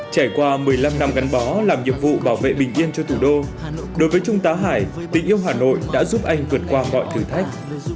trải qua một mươi năm năm gắn bó làm nhiệm vụ bảo vệ bình yên cho thủ đô đối với trung tá hải tình yêu hà nội đã giúp anh vượt qua mọi thử thách